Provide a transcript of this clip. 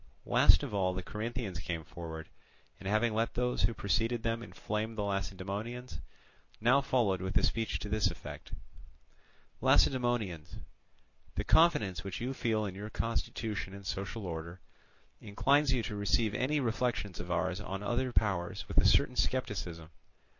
Last of all the Corinthians came forward, and having let those who preceded them inflame the Lacedaemonians, now followed with a speech to this effect: "Lacedaemonians! the confidence which you feel in your constitution and social order, inclines you to receive any reflections of ours on other powers with a certain scepticism.